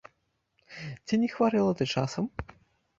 Ці не хварэла ты часам?